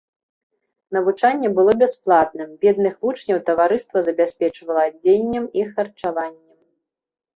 Навучанне было бясплатным, бедных вучняў таварыства забяспечвала адзеннем і харчаваннем.